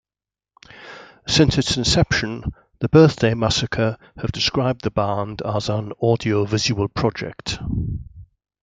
Since its inception, The Birthday Massacre have described the band as an audio-visual project.